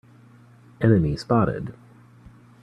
Enemy spotted!